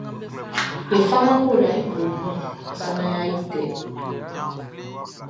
E faman kolaʼn i bue kun sa naan yʼa yi tɛ.